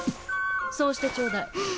そうしてちょうだい。